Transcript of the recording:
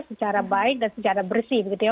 secara baik dan secara bersih